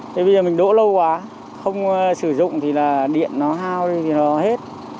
thế bây giờ mình đỗ lâu quá không sử dụng thì là điện nó hao đi thì nó hết